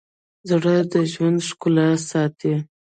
زړه د ژوند ښکلا ساتي.